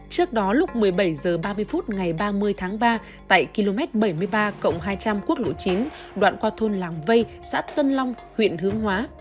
trước đó lúc một mươi bảy h ba mươi phút ngày ba mươi tháng ba tại km bảy mươi ba hai trăm linh quốc lộ chín đoạn qua thôn làng vây xã tân long huyện hướng hóa